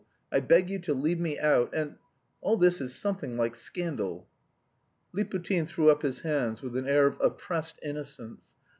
I beg you to leave me out and... All this is something like scandal." Liputin threw up his hands with an air of oppressed innocence.